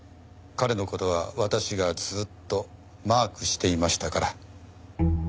彼の事は私がずっとマークしていましたから。